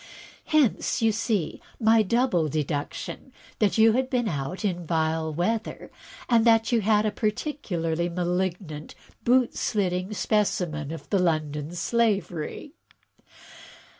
Hence, you see, my double deduction that you had been out in vile weather, and that you had a particularly malignant boot slitting specimen of the London slavey.